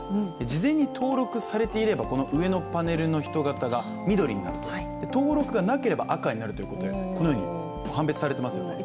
事前に登録されていれば上のパネルの人形が緑に、登録がなければ赤になるということでこのように、判別されていますよね。